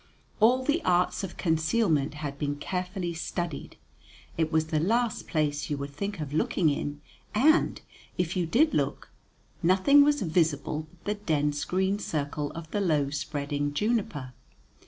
All the arts of concealment had been carefully studied. It was the last place you would think of looking in, and, if you did look, nothing was visible but the dense green circle of the low spreading juniper.